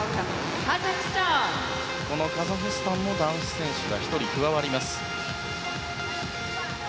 このカザフスタンも男子選手が１人加わります。